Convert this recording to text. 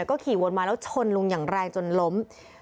ก็ขี่วนมาแล้วชนลุงอย่างแรงจนล้ม